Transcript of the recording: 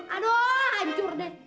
aduh hancur deh